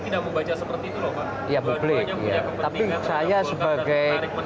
tapi publik tidak membaca seperti itu lho pak